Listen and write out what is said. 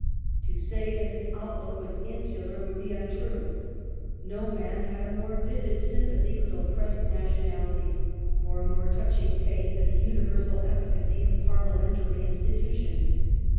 To say that his outlook was insular would be untrue ; no man had a more vivid sympathy with oppressed nationalities, or a more touching faith in the universal efficacy of parliamentary institutions.